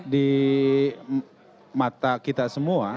di mata kita semua